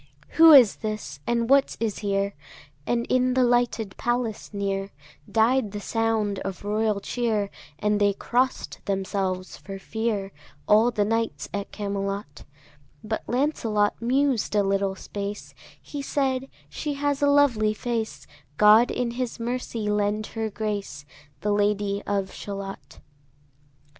Who is this? and what is here? And in the lighted palace near Died the sound of royal cheer; And they cross'd themselves for fear, All the knights at Camelot: But Lancelot mused a little space; He said, "She has a lovely face; God in his mercy lend her grace, The Lady of Shalott."